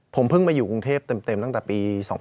ผมเพิ่งมาอยู่กรุงเทพเต็มตั้งแต่ปี๒๕๖